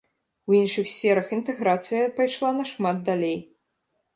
У іншых сферах інтэграцыя пайшла нашмат далей.